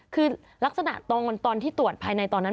คือลักษณะตอนที่ตรวจภายในตอนนั้น